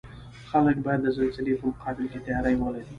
خلک باید د زلزلې په مقابل کې تیاری ولري